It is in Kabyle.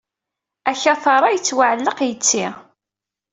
Akatar-a yettwaɛelleq yetti.